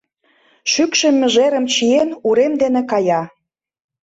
Шӱкшӧ мыжерым чиен, урем дене кая.